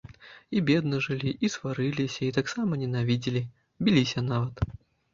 І бедна жылі, і сварыліся, і таксама ненавідзелі, біліся нават.